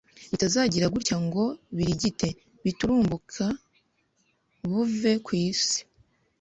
butazagira gutya ngo burigite giturumbuka buve ku isi,